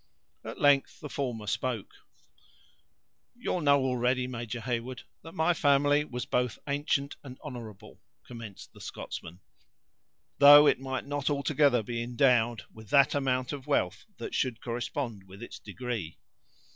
At length, the former spoke: "You'll know, already, Major Heyward, that my family was both ancient and honorable," commenced the Scotsman; "though it might not altogether be endowed with that amount of wealth that should correspond with its degree.